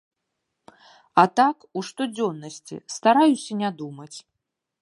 А так, у штодзённасці, стараюся не думаць.